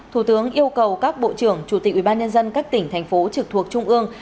thủ tướng yêu cầu các bộ trưởng chủ tịch ubnd các tỉnh thành phố trực thuộc trung ương